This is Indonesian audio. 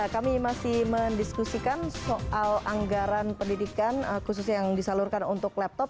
kami masih mendiskusikan soal anggaran pendidikan khususnya yang disalurkan untuk laptop